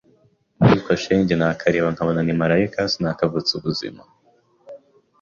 ariko shenge nakareba nkabona ni Malayika sinakavutsa ubuzima